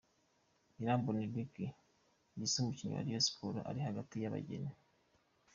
Irambona Eric Gisa umukinnyi wa Rayon Sports ari hagati y'abageni.